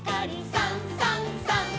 「さんさんさん」